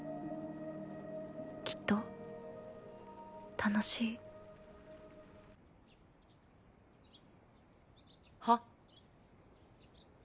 きっと楽しいはっ？